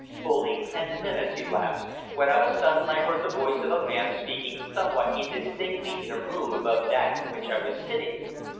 Fully ten minutes elapsed, when of a sudden I heard the voice of a man speaking somewhat indistinctly in a room above that in which I was sitting.